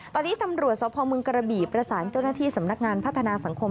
ตอนนี้ตำรวจสพมกระบี่ประสานเจ้าหน้าที่สำนักงานพัฒนาสังคม